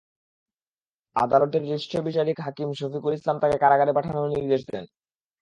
আদালতের জ্যেষ্ঠ বিচারিক হাকিম শফিকুল ইসলাম তাঁকে কারাগারে পাঠানোর নির্দেশ দেন।